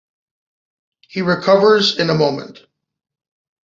He recovers in a moment.